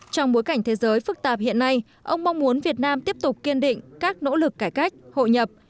trong bối cảnh thế giới phức tạp hiện nay ông mong muốn việt nam tiếp tục kiên định các nỗ lực cải cách hội nhập